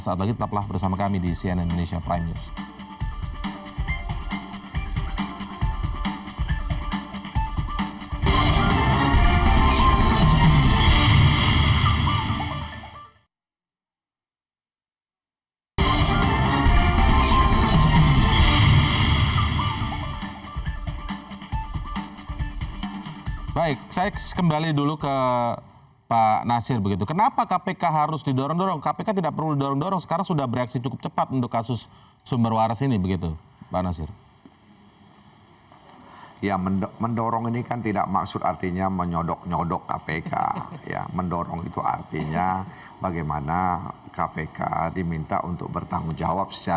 saat lagi tetaplah bersama kami di cnn indonesia prime news